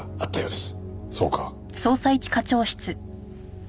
そうか。